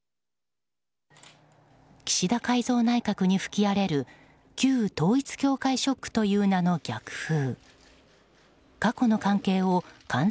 岸田改造内閣に吹き荒れる旧統一教会ショックという名の逆風。